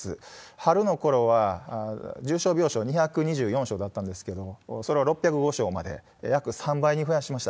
春のころは、重症病床２２４床だったんですけど、それを６０５床まで、約３倍に増やしました。